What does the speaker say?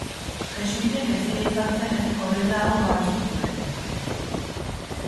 Jesuitek hezia izan zenez, ordena hau babestu zuen.